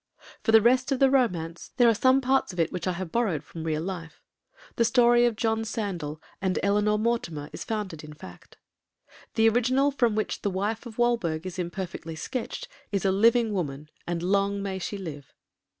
For the rest of the Romance, there are some parts of it which I have borrowed from real life. The story of John Sandal and Elinor Mortimer is founded in fact. The original from which the Wife of Walberg is imperfectly sketched is a living woman, and long may she live.